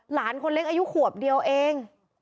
หลานคนเล็กอายุขวบเดียวเอง